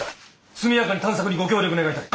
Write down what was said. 速やかに探索にご協力願いたい。